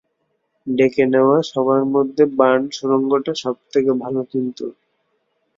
ডেকে নেওয়া সবার মধ্যে ভার্ন সুড়ঙ্গটা সবথেকে ভালো চিনত।